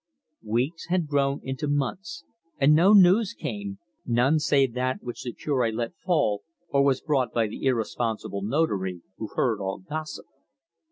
Weeks had grown into months, and no news came none save that which the Cure let fall, or was brought by the irresponsible Notary, who heard all gossip.